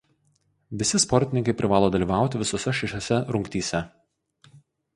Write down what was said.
Visi sportininkai privalo dalyvauti visose šešiose rungtyse.